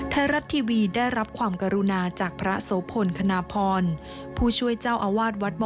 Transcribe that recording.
ไทยรัตทีวีได้รับความกรุณาจากพระโสพลขนาพรผู้ช่วยเจ้าอวาดวัดมวรนิเวศวิหาร